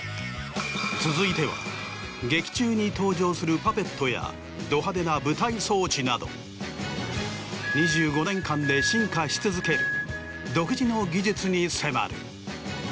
続いては劇中に登場するパペットやど派手な舞台装置など２５年間で進化し続ける独自の技術に迫る。